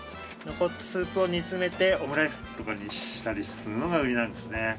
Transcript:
残ったスープを煮詰めてオムライスとかにしたりするのが売りなんですね。